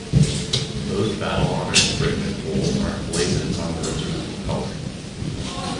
Those battle honours written in bold are emblazoned on the regimental colour.